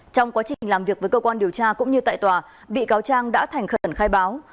trong quá trình làm việc với cơ quan điều tra cũng như tại tòa bị cáo trang đã thành khẩn khai báo